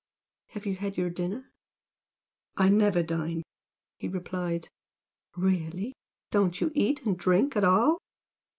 Have you had your dinner?" "I never dine," he replied. "Really! Don't you eat and drink at all?"